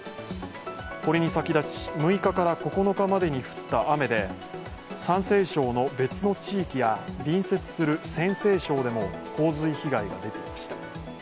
これに先立ち、６日から９日までに降った雨で山西省の別の地域や隣接する陝西省でも洪水被害が出ていました。